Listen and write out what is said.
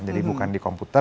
jadi bukan di komputer